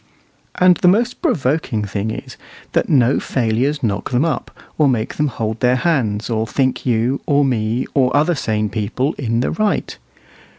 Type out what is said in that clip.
And the most provoking thing is, that no failures knock them up, or make them hold their hands, or think you, or me, or other sane people in the right.